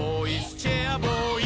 チェアボーイ！」